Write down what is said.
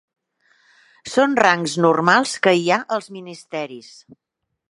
Són rangs normals que hi ha als ministeris.